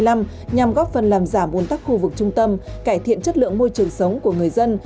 nhằm góp phần làm giảm uốn tắc khu vực trung tâm cải thiện chất lượng môi trường sống của người dân